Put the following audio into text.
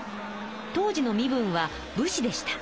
当時の身分は武士でした。